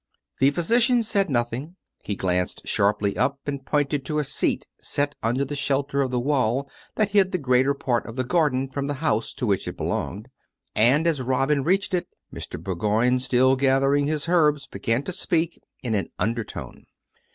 The physician said nothing; he glanced sharjjly up and pointed to a seat set under the shelter of the wall that hid the greater part of the garden from the house to which it belonged; and as Robin reached it, Mr. Bourgoign, still gathering his herbs, began to speak in an undertone.